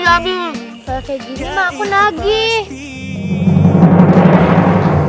kalau kayak gini mah aku nagih